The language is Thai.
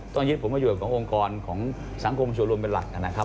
ต้องยึดผลประโยชน์ขององค์กรของสังคมส่วนรวมเป็นหลักนะครับ